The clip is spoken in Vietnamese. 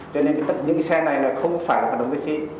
cho nên những xe này không phải là hoạt động taxi